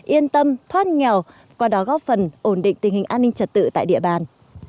yên tâm thoát nghèo qua đó góp phần ổn định tình hình an ninh trật tự tại địa bàn